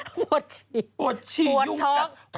พวดชี้พวดชี้ยุ่งกัด